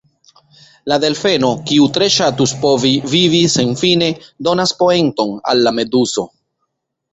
La delfeno, kiu tre ŝatus povi vivi senfine, donas poenton al la meduzo.